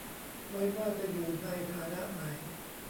ไว้ว่าจะอยู่ในฐานะไหน